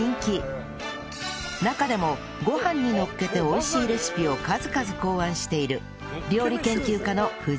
中でもご飯にのっけて美味しいレシピを数々考案している